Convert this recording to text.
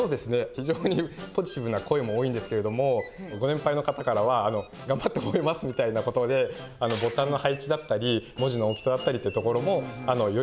非常にポジティブな声も多いんですけれどもご年配の方からはがんばって覚えますみたいなことでボタンの配置だったり文字の大きさだったりってところもより